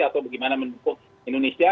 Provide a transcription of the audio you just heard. atau bagaimana mendukung indonesia